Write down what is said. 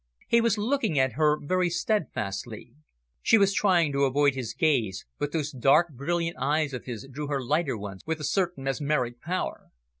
He was looking at her very steadfastly. She was trying to avoid his gaze, but those dark, brilliant eyes of his drew her lighter ones with a certain mesmeric power.